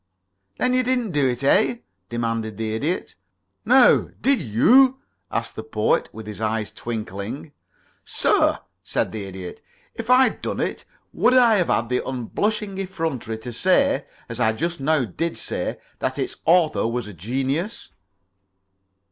"Then you didn't do it, eh?" demanded the Idiot. "No. Did you?" asked the Poet, with his eyes twinkling. "Sir," said the Idiot, "if I had done it, would I have had the unblushing effrontery to say, as I just now did say, that its author was a genius?"